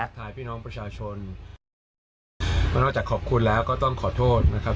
มานอกจากขอบคุณแล้วก็ต้องขอโทษนะครับ